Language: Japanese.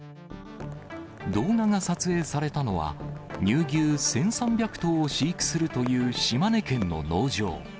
動画が撮影されたのは、乳牛１３００頭を飼育するという島根県の農場。